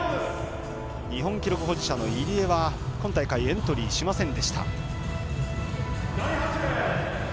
日本記録保持者の入江は今大会エントリーしませんでした。